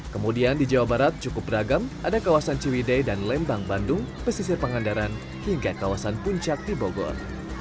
kemudian di jawa barat cukup beragam ada kawasan ciwide dan lembang bandung pesisir pangandaran hingga kawasan puncak di bogor